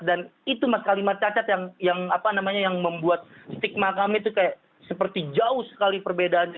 dan itu mas kalimat cacat yang membuat stigma kami itu seperti jauh sekali perbedaannya